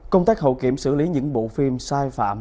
công tác hậu kiểm xử lý những bộ phim sai phạm